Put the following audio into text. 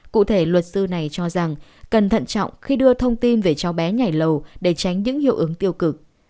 cụ thể luật sư này cho rằng cần thận trọng khi đưa thông tin về cháu bé nhảy lầu để tránh những hiệu ứng tiêu cực